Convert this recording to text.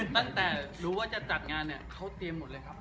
ตั้งแต่รู้ว่าจะจัดงานเนี่ยเขาเตรียมหมดเลยครับ